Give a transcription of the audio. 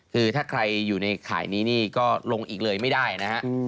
คือถ้าใครอยู่ในข่ายนี้นี่ก็ลงอีกเลยไม่ได้นะฮะ